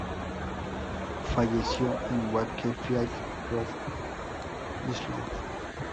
Falleció en Wakefield, Rhode Island.